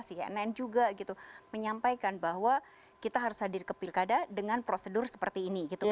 cnn juga gitu menyampaikan bahwa kita harus hadir ke pilkada dengan prosedur seperti ini gitu kan